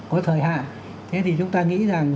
có thời hạn thế thì chúng ta nghĩ rằng